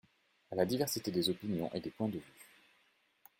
À la diversité des opinions et des points de vue.